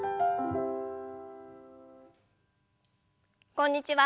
こんにちは。